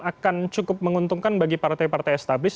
akan cukup menguntungkan bagi partai partai estabis